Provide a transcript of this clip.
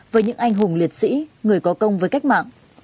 với những anh hùng liệt sĩ người có công với cách mạng